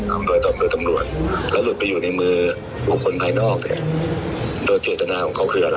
เขาออกมาเปิดเผยนี่มันจะคิดเป็นเจตนาอย่างอื่น